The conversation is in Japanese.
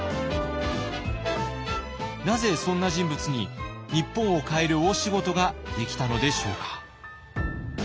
なぜそんな人物に日本を変える大仕事ができたのでしょうか。